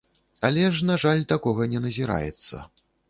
Але ж, на жаль, такога не назіраецца.